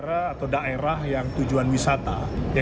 daerah atau daerah yang tujuan wisata